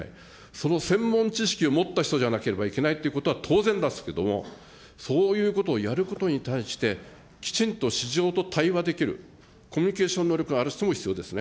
その専門知識を持った人じゃなければいけないということは当然ですけれども、そういうことをやることに対して、きちんと市場と対話できる、コミュニケーション能力がある人も必要ですね。